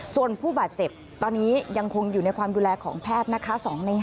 ส่วนผู้บาดเจ็บตอนนี้ยังคงอยู่ในความดูแลของแพทย์นะคะ